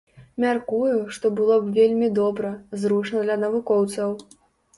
Мяркую, што было б вельмі добра, зручна для навукоўцаў.